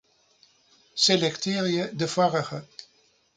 Selektearje de foarige.